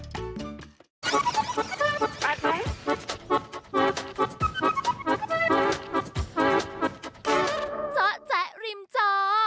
จ๊ะจ๊ะริมจอ